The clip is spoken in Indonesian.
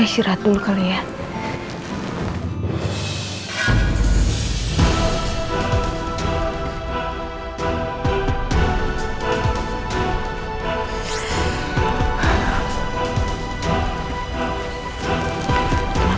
insira dulu kali ya